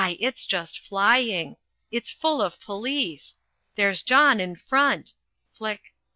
it's just flying it's full of police there's John in front Flick!